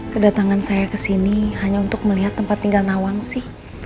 kedatangan saya kesini hanya untuk melihat tempat tinggal nawangsi